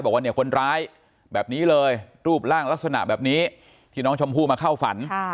บอกว่าเนี่ยคนร้ายแบบนี้เลยรูปร่างลักษณะแบบนี้ที่น้องชมพู่มาเข้าฝัน